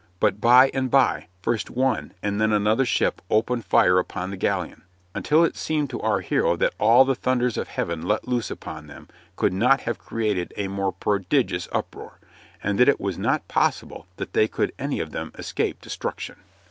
But by and by first one and then another ship opened fire upon the galleon, until it seemed to our hero that all the thunders of heaven let loose upon them could not have created a more prodigious uproar, and that it was not possible that they could any of them escape destruction.